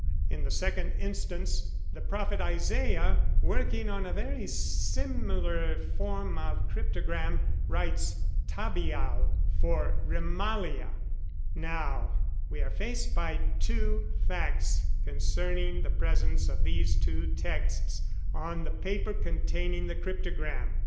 In the second instance the prophet Isaiah, working on a very similar form of cryptogram, writes 'Tabeal' for 'Remaliah.' "Now, we are faced by two facts concerning the presence of these two texts on the paper containing the cryptogram.